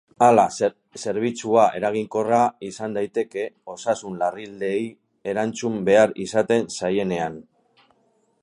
Hala, zerbitzua eraginkorragoa izan daiteke osasun-larrialdiei erantzun behar izaten zaienean.